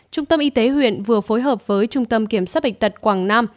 trung tâm y tế huyện vừa phối hợp với trung tâm kiểm soát bệnh tật quảng nam